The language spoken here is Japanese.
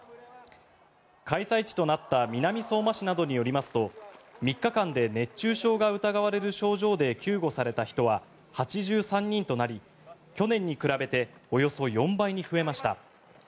開催地となった南相馬市などによりますと３日間で熱中症が疑われる症状で救護された人は８３人となり、去年に比べておよそ４倍に増えました。